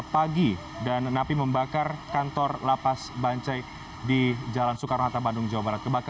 pagi dan napi membakar kantor lapas bancai di jalan soekarno hatta bandung jawa barat